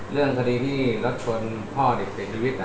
เรื่องคดีที่รถชนพ่อเด็กเสียชีวิต